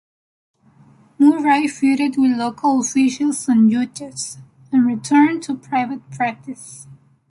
Murray feuded with local officials and judges, and returned to private practice.